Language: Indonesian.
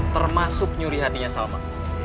termasuk nyuri hatinya salma